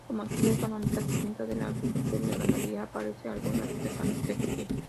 Como actividad económica distinta de la agricultura y la ganadería aparece algún artesano textil.